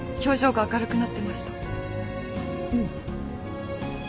うん。